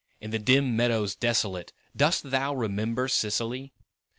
In the dim meadows desolate Dost thou remember Sicily?